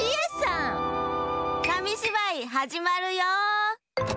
かみしばいはじまるよ！